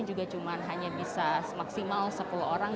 juga cuma hanya bisa maksimal sepuluh orang